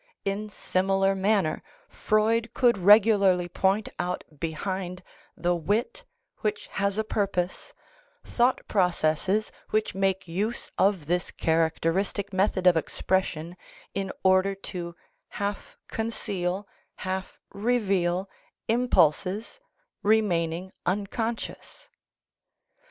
In similar manner, Freud could regularly point out behind the wit^' which has a purpose, thought processes which make use of this characteristic method of expression in order to half con ceal, half reveal impulses remaining unconscious.